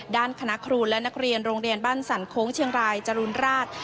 ด้านคณะครูและนักเรียนโรงเรียนบ้านสรรโค้งเชียงรายจรูนราช